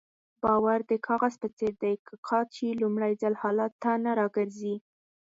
باور د کاغذ په څېر دی که قات شي لومړني حالت ته نه راګرځي.